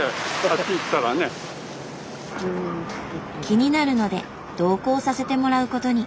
気になるので同行させてもらうことに。